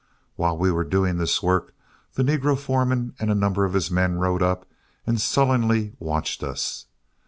While we were doing this work, the negro foreman and a number of his men rode up and sullenly watched us.